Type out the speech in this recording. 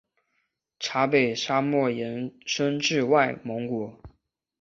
察北沙漠延伸至外蒙古。